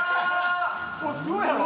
これすごいだろ？